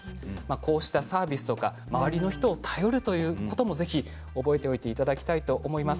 こうしたサービスとか周りの人を頼るということもぜひ覚えておいていただきたいと思います。